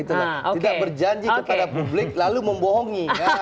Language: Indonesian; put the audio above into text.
tidak berjanji kepada publik lalu membohongi